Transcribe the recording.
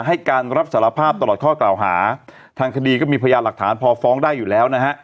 ให้การรับสารภาพตลอดข้อกล่าวหาทางคดีก็มีพยานหลักฐานพอฟ้องได้อยู่แล้วนะฮะ